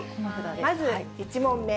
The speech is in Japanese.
まず１問目。